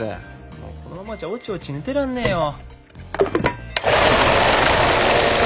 もうこのままじゃおちおち寝てらんねえよ。